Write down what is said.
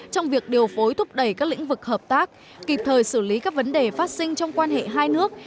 trong việc điều phối thúc đẩy các lĩnh vực hợp tác kịp thời xử lý các vấn đề phát sinh trong quan hệ hai nước